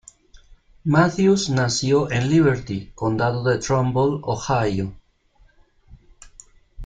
Matthews nació en Liberty, Condado de Trumbull, Ohio.